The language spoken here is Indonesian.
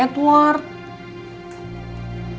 sungguh sungguh sayang sama edward